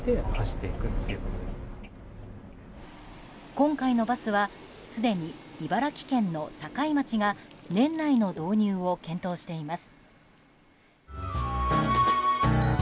今回のバスはすでに茨城県の境町が年内の導入を検討しています。